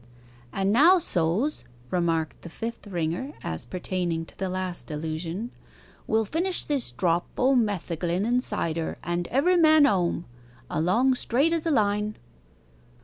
'And now so's,' remarked the fifth ringer, as pertaining to the last allusion, 'we'll finish this drop o' metheglin and cider, and every man home along straight as a line.